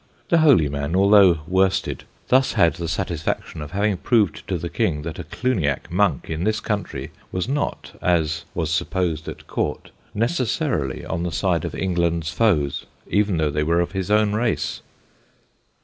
The holy man, although worsted, thus had the satisfaction of having proved to the King that a Cluniac monk in this country, was not, as was supposed at court, necessarily on the side of England's foes, even though they were of his own race.